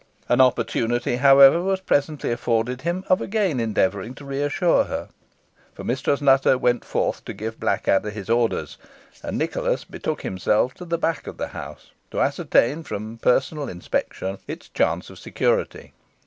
An opportunity, however, was presently afforded him of again endeavouring to reassure her, for Mistress Nutter went forth to give Blackadder his orders, and Nicholas betook himself to the back of the house to ascertain, from personal inspection, its chance of security.